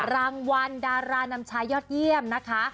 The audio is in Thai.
รางวัลดารานำชายยอดเยี่ยมนะคะ